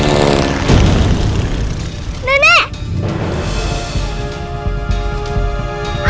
hakim against navut haka